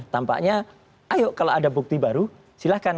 tampaknya ayo kalau ada bukti baru silahkan